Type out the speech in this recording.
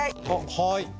はい。